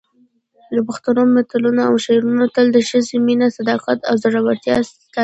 د پښتو متلونه او شعرونه تل د ښځې مینه، صداقت او زړورتیا ستایي.